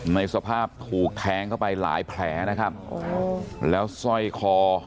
ในสภาพถูกแทงเข้าไปหลายแผลนะครับแล้วสร้อยคอ